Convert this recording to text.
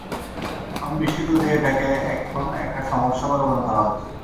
আমি বিস্মিত যে, এটাকে এখন একটা সমস্যা বলে মনে করা হচ্ছে।